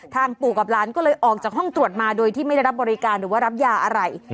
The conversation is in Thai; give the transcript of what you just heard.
ปู่กับหลานก็เลยออกจากห้องตรวจมาโดยที่ไม่ได้รับบริการหรือว่ารับยาอะไร